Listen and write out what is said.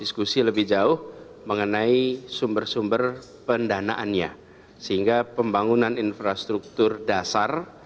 diskusi lebih jauh mengenai sumber sumber pendanaannya sehingga pembangunan infrastruktur dasar